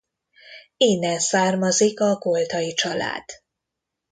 Innen származik a Koltay család.